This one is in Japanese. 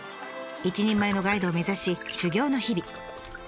一人前のガイドを目指し修業の日々。